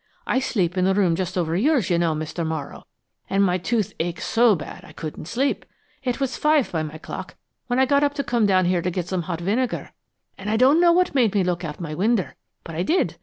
I sleep in the room just over yours, you know, Mr. Morrow, an' my tooth ached so bad I couldn't sleep. It was five by my clock when I got up to come down here an' get some hot vinegar, an' I don't know what made me look out my winder, but I did.